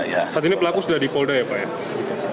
saat ini pelaku sudah dipolder ya pak